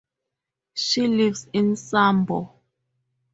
She lives in Sombor.